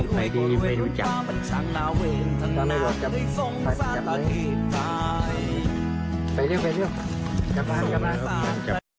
ไปดีไม่รู้จักจับเลยไปเร็วไปเร็ว